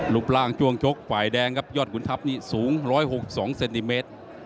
รูปร่างช่วงชกฝ่ายแดงครับยอดขุนทัพนี้สูง๑๖๒เซนติเมตร